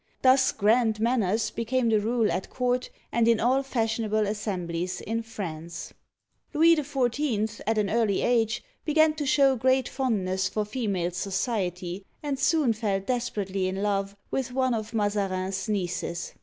Thus "grand manners" became the rule at court and in all fashionable assemblies in France. Louis XIV. at an early age began to show great fond ness for female society, and soon fell desperately in love with one of Mazarin's nieces.